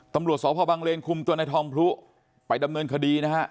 ตำรวจสพบังเลนคุมตัวในทองพลุไปดำเนินคดีนะฮะ